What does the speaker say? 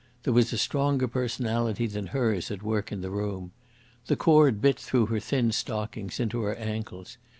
There was a stronger personality than hers at work in the room. The cord bit through her thin stockings into her ankles.